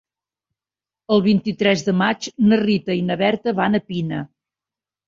El vint-i-tres de maig na Rita i na Berta van a Pina.